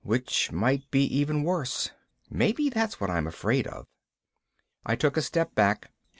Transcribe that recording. Which might be even worse. Maybe that's what I'm afraid of. I took a step back.